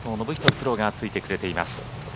プロがついてくれています。